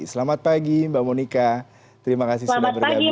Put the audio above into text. selamat pagi mbak monika terima kasih sudah bergabung